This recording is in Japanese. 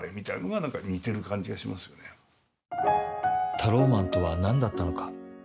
タローマンとは何だったのか？